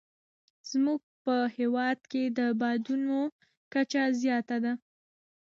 زموږ په هېواد کې د بادونو کچه زیاته ده.